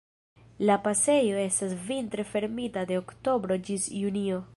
La pasejo estas vintre fermita de oktobro ĝis junio.